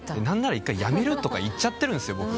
なんなら１回やめると言っちゃってるんですよ